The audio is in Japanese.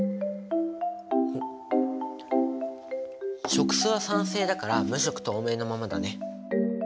食酢は酸性だから無色透明のままだね。